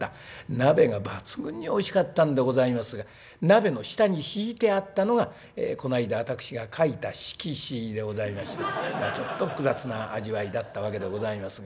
鍋が抜群においしかったんでございますが鍋の下に敷いてあったのがこの間私が書いた色紙でございましてちょっと複雑な味わいだったわけでございますが。